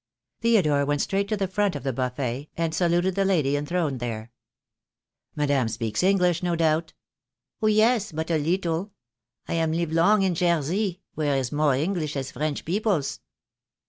Theodore went straight to the front of the buffet, and saluted the lady enthroned there. "Madame speaks English, no doubt?" " Oh, yes, but a leetle. I am live long time in Jairsey, where is more English as French peoples."